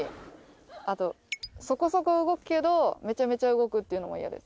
あとそこそこ動くけどめちゃめちゃ動くっていうのも嫌です。